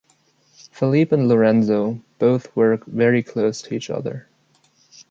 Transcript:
Felipe and Lorenzo, both were very close to each other.